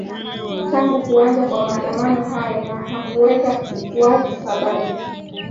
tangu kuanza kwa maandamano hayo na hakuweka wazi sababu